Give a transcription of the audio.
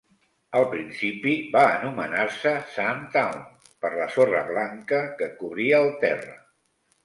Al principi, va anomenar-se Sandtown per la sorra blanca que cobria el terra.